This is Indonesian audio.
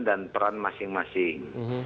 dan peran masing masing